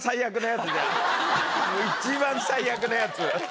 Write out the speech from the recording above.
一番最悪なやつ。